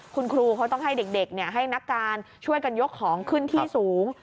คุณครูเขาต้องให้เด็กให้นักการช่วยกันยกของขึ้นที่สูง